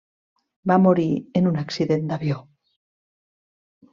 Va morir en un accident d'avió.